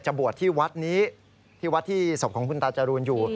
บวชที่วัดนี้ที่วัดที่ศพของคุณตาจรูนอยู่